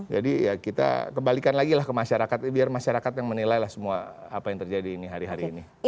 jadi ya kita kembalikan lagi lah ke masyarakat biar masyarakat yang menilai lah semua apa yang terjadi hari hari ini